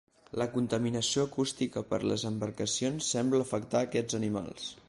La contaminació acústica per les embarcacions sembla afectar aquests animals.